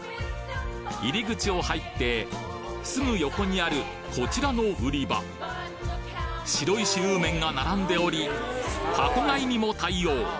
入口を入ってすぐ横にあるこちらの売り場白石温麺が並んでおり箱買いにも対応！